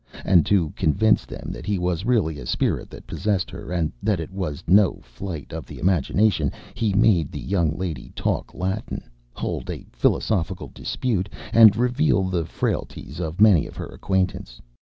And to convince them that it was really a spirit that possessed her, and that it was no flight of the imagination, he made the young lady talk Latin, hold a philosophical dispute, and reveal the frailties of many of her acquaintance.